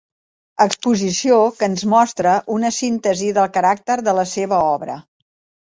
Exposició que ens mostra una síntesi del caràcter de la seva obra.